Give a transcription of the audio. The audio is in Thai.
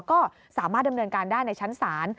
ก็สามารถดำเนินการได้ในชั้นศาล